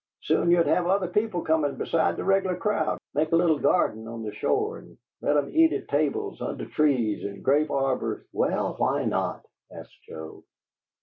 Soon ye'd have other people comin' beside the regular crowd. Make a little garden on the shore, and let 'em eat at tables under trees an' grape arbors '" "Well, why not?" asked Joe.